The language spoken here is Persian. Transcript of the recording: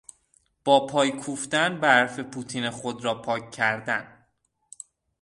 با پای کوفتن، برف پوتین خود را پاک کردن